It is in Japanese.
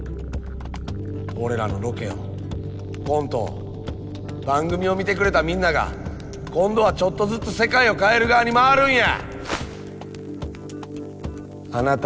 俺らのロケをコントを番組を見てくれたみんなが今度はちょっとずつ世界を変える側に回るんや！